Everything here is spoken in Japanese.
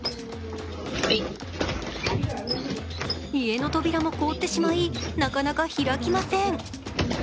家の扉も凍ってしまいなかなか開きません。